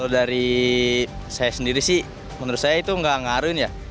kalau dari saya sendiri sih menurut saya itu nggak ngaruhin ya